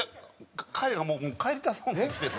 彼がもう帰りたそうにしてる。